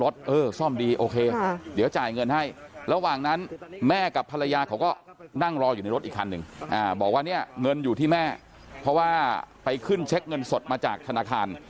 ที่แม่เพราะว่าไปขึ้นเช็คเงินสดมาจากธนาคาร